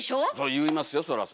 言いますよそらそら。